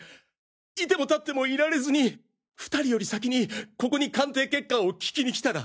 居ても立っても居られずに２人より先にここに鑑定結果を聞きに来たら。